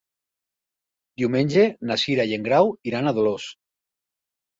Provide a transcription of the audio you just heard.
Diumenge na Cira i en Grau iran a Dolors.